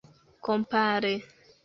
kompare